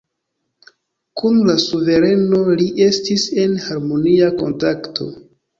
Kun la suvereno li estis en harmonia kontakto.